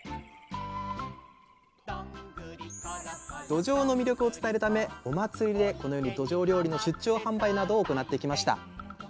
どじょうの魅力を伝えるためお祭りでこのようにどじょう料理の出張販売などを行ってきました。